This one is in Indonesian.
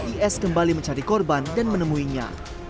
is kembali mencari korban dan menemuinya